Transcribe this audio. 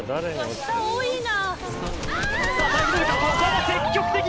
下多いな。